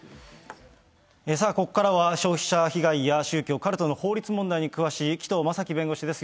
ここからは消費者被害や宗教・カルトの法律問題に詳しい紀藤正樹弁護士です。